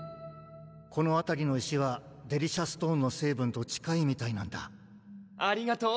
このあたりの石はデリシャストーンの成分と近いみたいなんだありがとう！